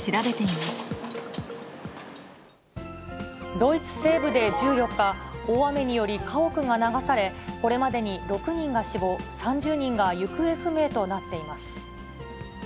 ドイツ西部で１４日、大雨により家屋が流され、これまでに６人が死亡、３０人が行方不明となっています。